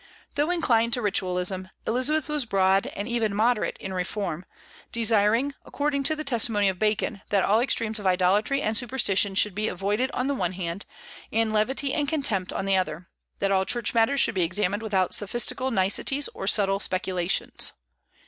Though inclined to ritualism, Elizabeth was broad and even moderate in reform, desiring, according to the testimony of Bacon, that all extremes of idolatry and superstition should be avoided on the one hand, and levity and contempt on the other; that all Church matters should be examined without sophistical niceties or subtle speculations.